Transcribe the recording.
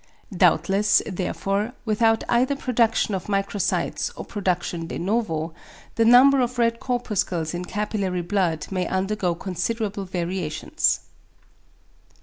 Doubtless, therefore, without either production of microcytes or production de novo, the number of red corpuscles in capillary blood may undergo considerable variations.